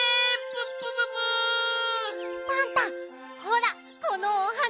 パンタほらこのお花！